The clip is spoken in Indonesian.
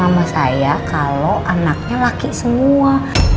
sama saya kalau anaknya laki semua